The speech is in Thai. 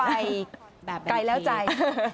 ไม่ไปไกลแล้วใจ